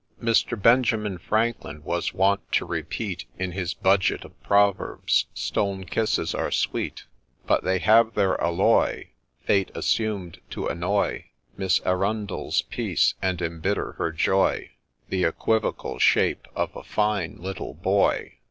Mr. Benjamin Franklin was wont to repeat, In his budget of proverbs, ' Stol'n kisses are sweet I ' But they have their alloy — Fate assumed, to annoy Miss Arundel's peace, and embitter her joy, The equivocal shape of a fine little Boy.